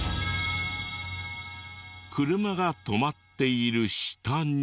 車が止まっている下に。